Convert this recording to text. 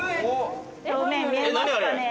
正面見えますかね。